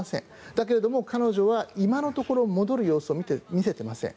だけど、彼女は今のところ戻る様子を見せていません。